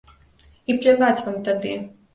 І пляваць вам тады!